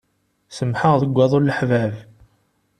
Semmḥeɣ deg waḍu n leḥbab.